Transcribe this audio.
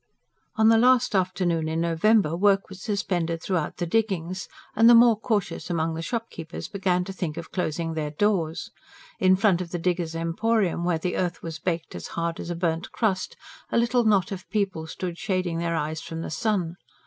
On the last afternoon in November work was suspended throughout the diggings, and the more cautious among the shopkeepers began to think of closing their doors. In front of the "Diggers' Emporium," where the earth was baked as hard as a burnt crust, a little knot of people stood shading their eyes from the sun.